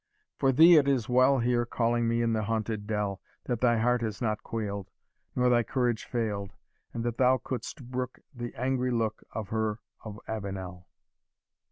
for thee it is well, Here calling me in haunted dell, That thy heart has not quail'd, Nor thy courage fail'd, And that thou couldst brook The angry look Of Her of Avenel.